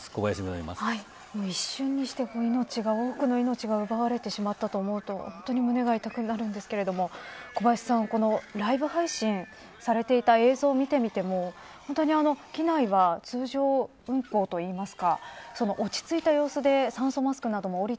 一瞬にして、多くの命が奪われてしまったと思うと本当に胸が痛くなるんですけれども小林さんこのライブ配信されていた映像を見てみても本当に機内は通常運航といいますか。